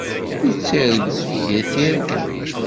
Yettargu yir tirga.